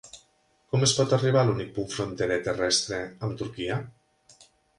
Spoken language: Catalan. Com es pot arribar a l'únic punt fronterer terrestre amb Turquia?